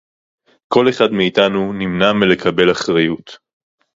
כָּל אֶחָד מֵאִתָּנוּ נִמְנַע מִלְּקַבֵּל אַחֲרָיוּת